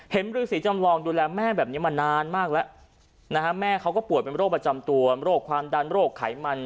ฤษีจำลองดูแลแม่แบบนี้มานานมากแล้วนะฮะแม่เขาก็ป่วยเป็นโรคประจำตัวโรคความดันโรคไขมัน